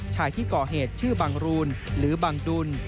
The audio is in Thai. ชายที่ก่อเหตุชื่อบังรูนหรือบังดุล